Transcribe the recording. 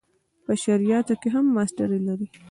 په شرعیاتو کې هم ماسټري لري.